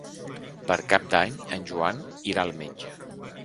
Per Cap d'Any en Joan irà al metge.